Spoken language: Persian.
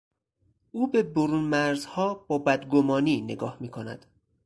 او به برونمرزیها با بد گمانی نگاه میکند.